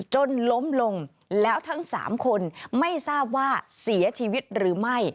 จนล้มลงแล้วทั้ง๓คนไม่ทราบว่าเสียชีวิตหรือไม่